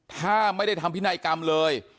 ถ้าไม่ได้ทำพินัยกรรมเลย